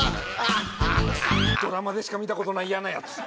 ドラマでしか見たことない嫌なヤツ